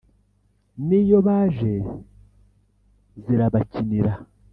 n'iyo baje zirabakinira